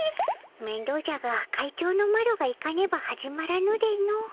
めんどうじゃが会長のマロが行かねば始まらぬでの。